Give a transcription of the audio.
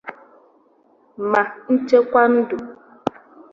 ma nchekwa ndụ